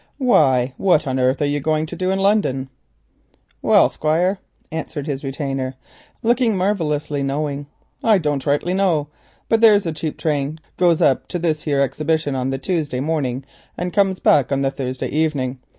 "Why, what on earth are you going to do in London?" "Well, Squire," answered his retainer, looking marvellously knowing, "I don't rightly know, but there's a cheap train goes up to this here Exhibition on the Tuesday morning and comes back on the Thursday evening.